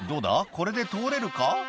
これで通れるか？」